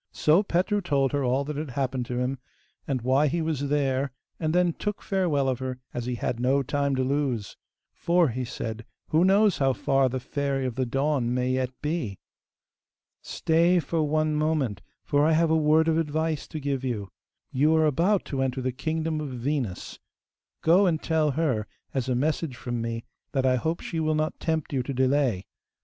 So Petru told her all that had happened to him, and why he was there, and then took farewell of her, as he had no time to lose. 'For,' he said, 'who knows how far the Fairy of the Dawn may yet be?' 'Stay for one moment, for I have a word of advice to give you. You are about to enter the kingdom of Venus;(4) go and tell her, as a message from me, that I hope she will not tempt you to delay.